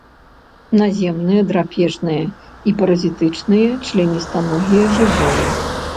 Наземныя драпежныя і паразітычныя членістаногія жывёлы.